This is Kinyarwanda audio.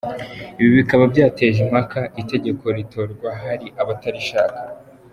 Ibi bikaba byateje impaka, itegeko ritorwa hari abatarishaka.